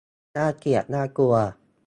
น่าเกลียดน่ากลัว